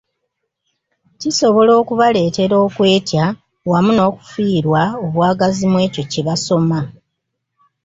Kisobola okubaleetera okwetya wamu n’okufiirwa obwagazi mu ekyo kye basoma.